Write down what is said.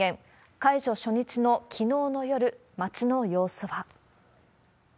解除初日のきのうの夜、街の様子は。